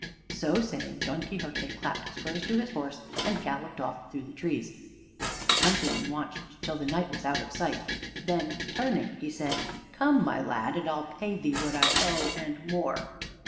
So saying, Don Quixote clapped spurs to his horse, and galloped off through the trees. The countryman watched till the Knight was out of sight. Then, turning, he said "Come, my lad, and I'll pay thee what I owe, and more."